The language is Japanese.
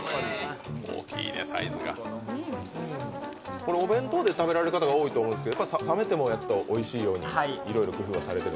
これ、お弁当で食べられる方が多いと思うんですが、冷めてもおいしいように工夫をされてる？